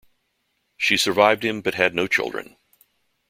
She survived him but had no children.